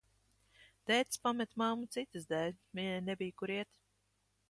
Tētis pameta mammu citas dēļ, viņai nebija, kur iet.